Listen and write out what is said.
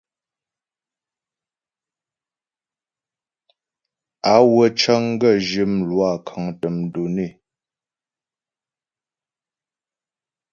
Á wə́ cəŋ gaə̂ zhyə́ mlwâ kə́ŋtə́ données.